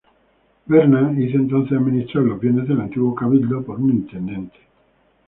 Berna hizo entonces administrar los bienes del antiguo cabildo por un intendente.